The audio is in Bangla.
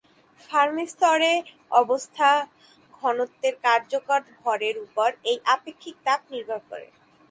ফার্মি স্তরে অবস্থা ঘনত্বের কার্যকর ভরের উপর এই আপেক্ষিক তাপ নির্ভর করে।